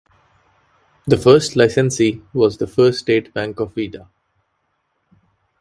The first licensee was the First State Bank of Vida.